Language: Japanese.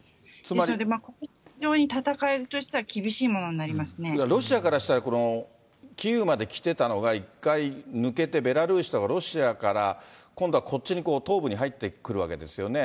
ですので、ここは非常に戦いとしロシアからしたら、キーウまで来てたのが一回抜けてベラルーシとかロシアから、今度はこっちに東部に入ってくるわけですよね。